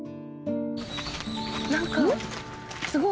何かすごい！